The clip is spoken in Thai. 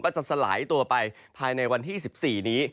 จะสลายตัวไปภายในวันที่๑๔นี้